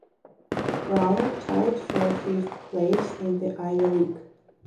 Brown tied for fifth place in the Ivy League.